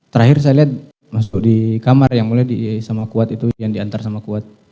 terakhir saya lihat masuk di kamar yang mulia sama kuat itu yang diantar sama kuat